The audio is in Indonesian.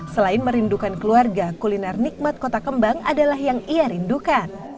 selain merindukan keluarga kuliner nikmat kota kembang adalah yang ia rindukan